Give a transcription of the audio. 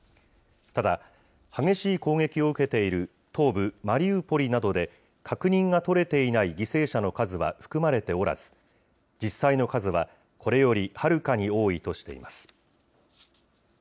ただ、激しい攻撃を受けている東部マリウポリなどで、確認が取れていない犠牲者の数は含まれておらず、実際の数はこれよりはるかに多いとしています。